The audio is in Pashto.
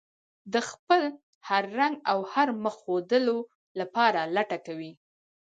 د خپل هر رنګ او هر مخ ښودلو لپاره لټه کوي.